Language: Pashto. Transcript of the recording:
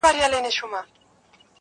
خو په کار د عاشقی کي بې صبري مزه کوینه،